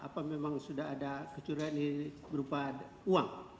apa memang sudah ada kecurian ini berupa uang